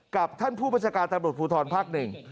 กับท่านผู้บัชการตำรวจพุทธรภาค๑